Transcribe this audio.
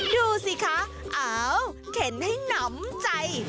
ดูสิคะอ้าวเข็นให้หนำใจ